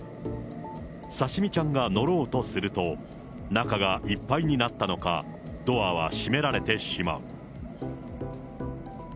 さしみちゃんが乗ろうとすると、中がいっぱいになったのか、ドアは閉められてしまう。